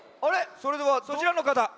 それではそちらのかた。